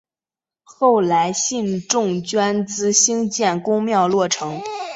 后来信众捐资兴建宫庙落成。